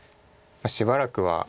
しばらくは。